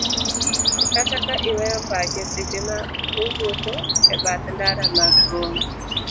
kata ka iweyo pache seche ma owuodho e bath ndara mag boma